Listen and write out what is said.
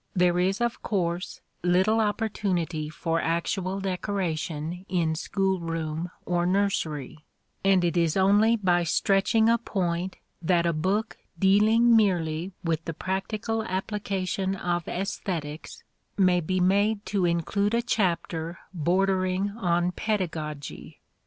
There is, of course, little opportunity for actual decoration in school room or nursery; and it is only by stretching a point that a book dealing merely with the practical application of æsthetics may be made to include a chapter bordering on pedagogy.